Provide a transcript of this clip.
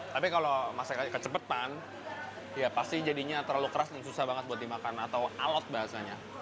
tapi kalau masaknya kecepatan ya pasti jadinya terlalu keras dan susah banget buat dimakan atau alot bahasanya